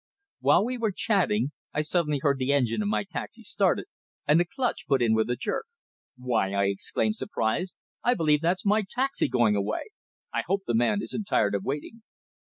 While we were chatting, I suddenly heard the engine of my taxi started, and the clutch put in with a jerk. "Why!" I exclaimed, surprised. "I believe that's my taxi going away. I hope the man isn't tired of waiting!"